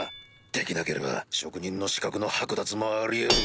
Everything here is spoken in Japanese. できなければ職人の資格の剥奪もあり得る。